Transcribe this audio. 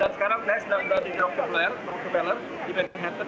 dan sekarang guys sudah berada di new york deplor new york deplor